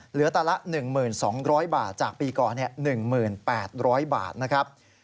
เหลือตาละ๑๒๐๐บาทจากปีก่อน๑๘๐๐บาทนะครับ